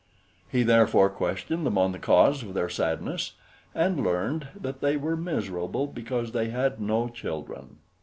He therefore questioned them on the cause of their sadness, and learned that they were miserable because they had no children.